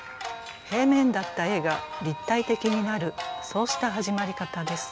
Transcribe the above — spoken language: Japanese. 平面だった絵が立体的になるそうした始まり方です。